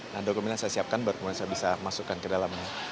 nah dokumen yang saya siapkan baru kemudian saya bisa masukkan ke dalamnya